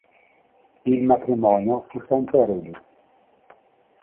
Il matrimonio fu senza eredi.